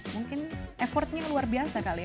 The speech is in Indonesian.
mungkin effortnya luar biasa kali ya